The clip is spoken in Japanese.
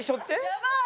やばい。